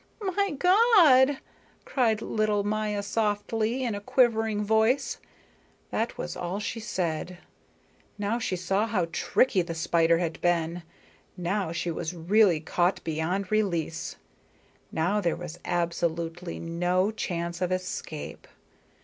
"My God!" cried little Maya softly, in a quivering voice. That was all she said. Now she saw how tricky the spider had been; now she was really caught beyond release; now there was absolutely no chance of escape.